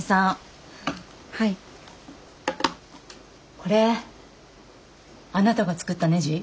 これあなたが作ったねじ？